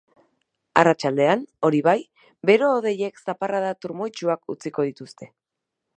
Arratsaldean, hori bai, bero-hodeiek zaparrada trumoitsuak utziko dituzte.